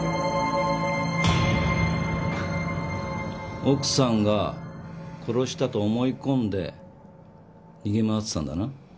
奥さんが殺したと思い込んで逃げ回ってたんだな？